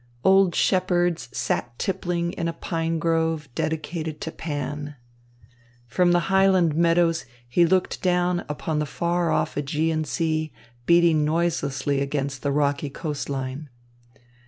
Old shepherds sat tippling in a pine grove dedicated to Pan. From the highland meadows he looked down upon the far off Ægean Sea beating noiselessly against the rocky coast line.